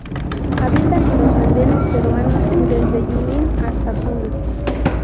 Habita en los Andes peruanos, desde Junín hasta Puno.